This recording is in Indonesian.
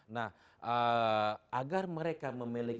nah agar mereka memiliki